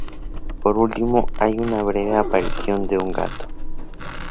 Por último hay una breve aparición de un gato.